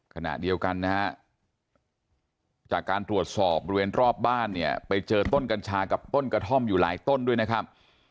ขณะเดียวกันนะฮะจากการตรวจสอบบริเวณรอบบ้านเนี่ยไปเจอต้นกัญชากับต้นกระท่อมอยู่หลายต้นด้วยนะครับ